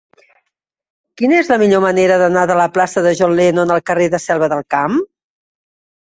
Quina és la millor manera d'anar de la plaça de John Lennon al carrer de la Selva del Camp?